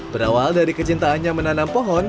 berawal dari kecintaannya menanam pohon